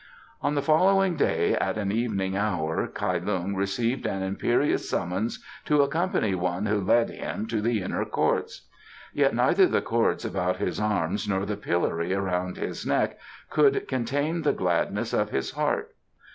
On the following day at an evening hour Kai Lung received an imperious summons to accompany one who led him to the inner courts. Yet neither the cords about his arms nor the pillory around his neck could contain the gladness of his heart.